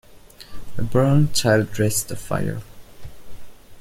A burnt child dreads the fire.